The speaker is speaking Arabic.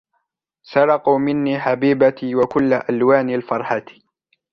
سرقوا مني حبيبتي و كل ألوان الفرحة.